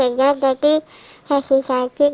ya sudah tapi masih sakit